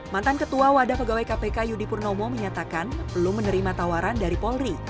mantan ketua wadah pegawai kpk yudi purnomo menyatakan belum menerima tawaran dari polri